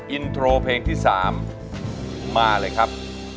อินโทรเพลงที่๓มาเลยครับ